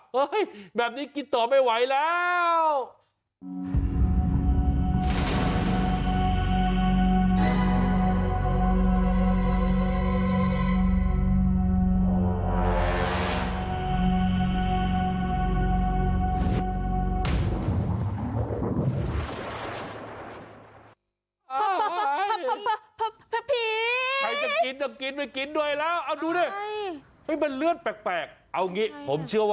เฮ้ยแบบนี้กินต่อไม่ไหวแล้ว